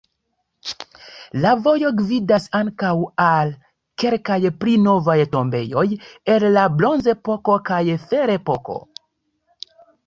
La vojo gvidas ankaŭ al kelkaj pli novaj tombejoj el la bronzepoko kaj ferepoko.